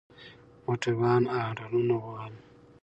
موټروان هارنونه وهل.